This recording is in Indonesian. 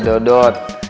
betul apa kata dodo